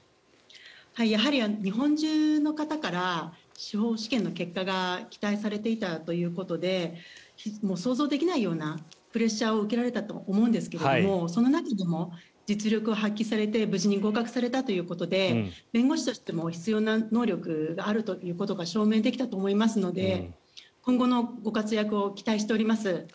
やはり日本中の方から司法試験の結果が期待されていたということで想像できないようなプレッシャーを受けられたと思うんですけどその中でも実力を発揮されて無事に合格されたということで弁護士としても必要な能力があることが証明できたと思いますので今後のご活躍を期待しております。